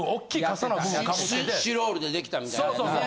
スチロールでできたみたいなね。